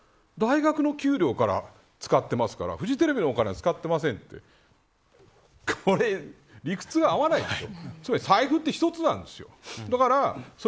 このお金は大学の給与から使っていますからフジテレビのお金は使ってませんってこれ、理屈が合わないじゃない。